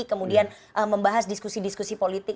kemudian membahas diskusi diskusi politik